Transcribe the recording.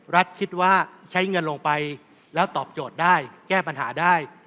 คิดว่าใช้เงินลงไปแล้วตอบโจทย์ได้แก้ปัญหาได้